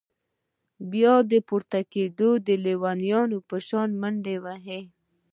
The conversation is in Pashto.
بيا پورته كېده د ليونيانو په شان منډې وهلې.